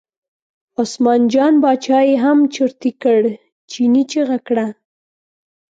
عثمان جان باچا یې هم چرتي کړ، چیني چغه وکړه.